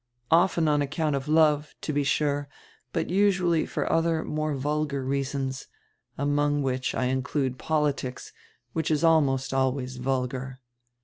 Often on account of love, to be sure, but usually for other, more vulgar reasons, among which I include politics, which is almost always vulgar.